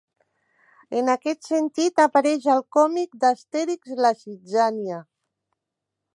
En aquest sentit apareix al còmic d'Astèrix La zitzània.